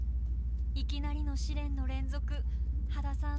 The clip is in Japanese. いきなりの試練の連続羽田さん